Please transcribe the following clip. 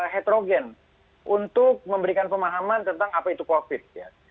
heterogen untuk memberikan pemahaman tentang apa itu covid